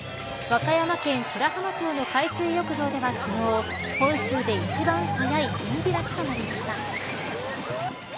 和歌山県白浜町の海水浴場では昨日本州で一番早い海開きとなりました。